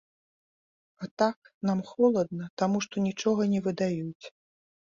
А так, нам холадна, таму што нічога не выдаюць.